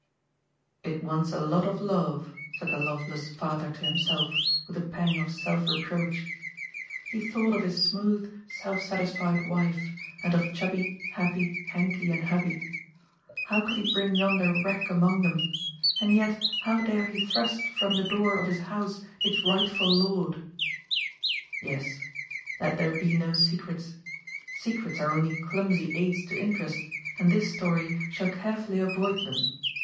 " It wants a lot of love," said the love less father to himself, with a pang of self reproach. He thought of his smooth, self satisfied wife, and of chubby, happy Henkie and Hubbie. How could he bring yonder wreck among them ? And yet how dare he thrust from the door of his house its rightful lord ? Yes ; let there be no secrets. Secrets are only clumsy aids to interest, and this story shall carefully avoid them.